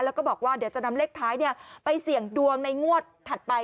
แล้วก็บอกว่าเดี๋ยวจะนำเลขท้ายไปเสี่ยงดวงในงวดถัดไป